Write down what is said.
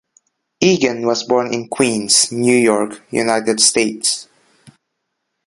Egan was born in Queens, New York, United States.